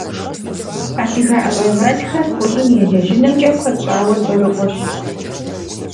Адыгэ ӀэщӀагъэлӀхэр гъущӀым елэжьынымкӀэ куэд щӀауэ цӀэрыӀуэщ.